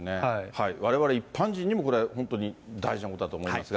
われわれ一般人にも、これ、本当に大事なことだと思いますが。